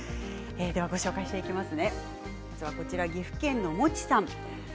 ご紹介していきます。